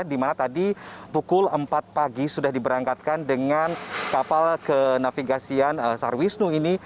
di mana tadi pukul empat pagi sudah diberangkatkan dengan kapal kenavigasian sarwisnu ini